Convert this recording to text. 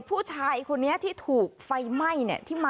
ผู้ชายคนนี้ที่ถูกไฟไหม้